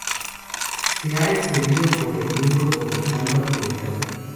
Se ha extendido por el mundo como planta ornamental.